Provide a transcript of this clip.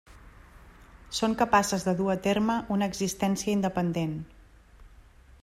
Són capaces de dur a terme una existència independent.